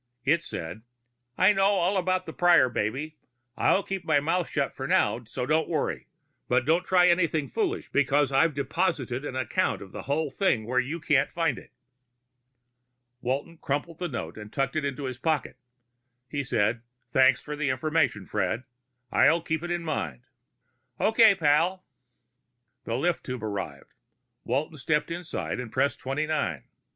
It said, _I know all about the Prior baby. I'll keep my mouth shut for now, so don't worry. But don't try anything foolish, because I've deposited an account of the whole thing where you can't find it._ Walton crumpled the note and tucked it into his pocket. He said, "Thanks for the information, Fred. I'll keep it in mind." "Okay, pal." The lift tube arrived. Walton stepped inside and pressed twenty nine.